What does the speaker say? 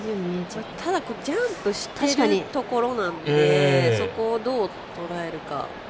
ジャンプをしてるところなんでそこをどう捉えるか。